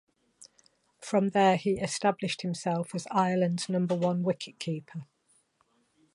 From there he established himself as Ireland's number one wicketkeeper.